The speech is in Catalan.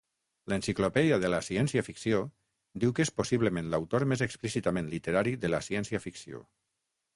L'"Enciclopèdia de la ciència-ficció" diu que "és possiblement l'autor més explícitament literari de la ciència-ficció".